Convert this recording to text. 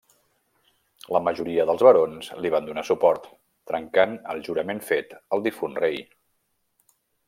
La majoria dels barons li van donar suport, trencant el jurament fet al difunt rei.